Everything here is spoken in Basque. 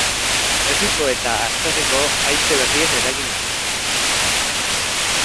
Herriko eta atzerriko haize berrien eraginaz.